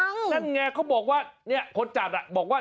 นั่ง่าเค้าบอกว่า